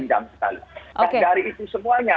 dan dari itu semuanya